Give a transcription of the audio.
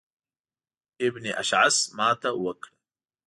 ابن اشعث ماته وکړه.